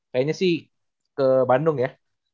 kayaknya sih ke bandung ya